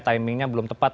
timingnya belum tepat